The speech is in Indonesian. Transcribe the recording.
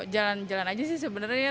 jalan jalan aja sih sebenarnya